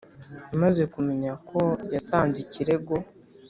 maze kumenya ko yatanze ikirego